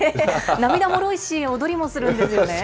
涙もろいし、踊りもするんですね。